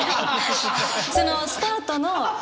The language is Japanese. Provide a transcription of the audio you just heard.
そのスタートの。